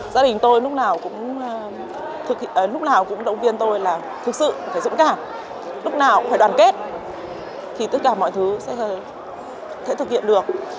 gia đình tôi lúc nào cũng lúc nào cũng động viên tôi là thực sự phải dũng cảm lúc nào cũng phải đoàn kết thì tất cả mọi thứ sẽ thực hiện được